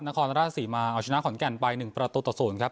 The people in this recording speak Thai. นครรภ์สี่มาเอาชนะขอนแก่นไปหนึ่งประตูต่อศูนย์ครับ